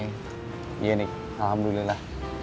iya nik alhamdulillah